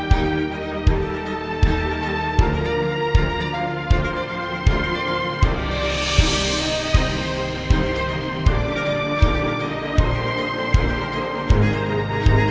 aku sudah jelasin ke mereka